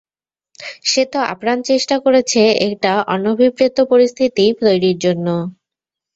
সেতো আপ্রাণ চেষ্টা করেছে একটা অনভিপ্রেত পরিস্থিতি তৈরীর জন্য!